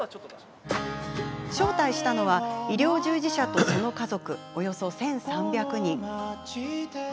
招待したのは医療従事者とその家族、およそ１３００人。